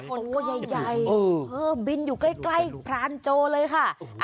ตัวใหญ่บินอยู่ใกล้พรานโจเลยค่ะ